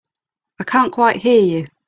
I can't quite hear you.